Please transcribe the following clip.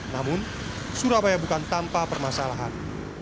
namun surabaya bukan tanpa permasalahan